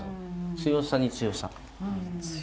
強さと強さ。